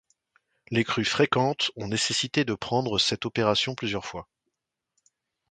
Les crues fréquentes ont nécessité de reprendre cette opération plusieurs fois.